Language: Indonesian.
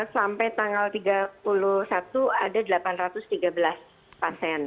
sampai tanggal tiga puluh satu ada delapan ratus tiga belas pasien